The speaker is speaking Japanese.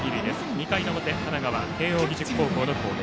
２回の表神奈川・慶応義塾高校の攻撃。